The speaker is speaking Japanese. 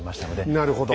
なるほど。